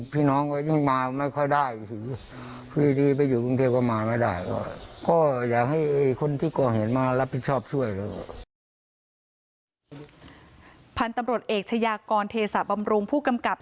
พันธุ์ตำรวจเอกชายากรเทศะบำรุงผู้กำกับ